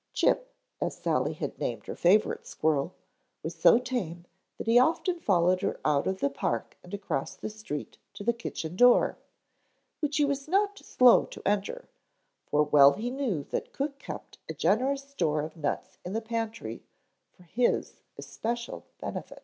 Chip, as Sally had named her favorite squirrel, was so tame that he often followed her out of the park and across the street to the kitchen door, which he was not slow to enter, for well he knew that cook kept a generous store of nuts in the pantry for his especial benefit.